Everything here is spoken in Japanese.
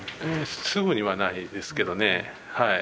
すぐにはないですけどね。